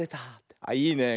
あっいいね。